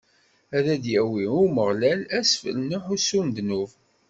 Ad d-yawi i Umeɣlal asfel n uḥussu n ddnub.